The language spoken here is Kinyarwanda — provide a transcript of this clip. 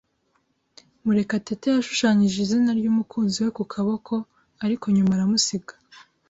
Murekatete yashushanyije izina ry'umukunzi we ku kuboko, ariko nyuma aramusiga.